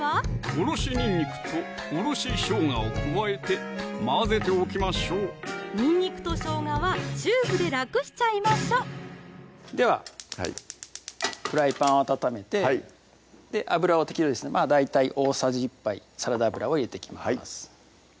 おろしにんにくとおろししょうがを加えて混ぜておきましょうにんにくとしょうがはチューブで楽しちゃいましょではフライパンを温めて油を適量ですね大体大さじ１杯サラダ油を入れていきます